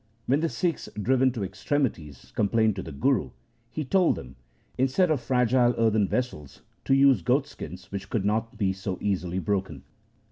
When the Sikhs, driven to ex tremities, complained to the Guru, he told them, instead of fragile earthen vessels, to use goatskins which could not be so easily broken.